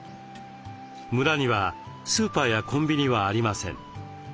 村にはスーパーやコンビニはありません。